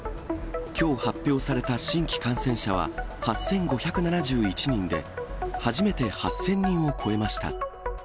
きょう発表された新規感染者は、８５７１人で、初めて８０００人を超えました。